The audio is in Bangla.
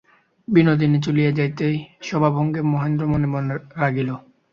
বিনোদিনী চলিয়া যাইতেই সভাভঙ্গে মহেন্দ্র মনে মনে রাগিল।